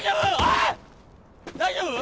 大丈夫？